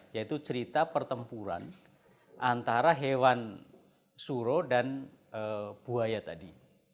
yaitu cerita pertempuran antara hewan suro dan buaya tadi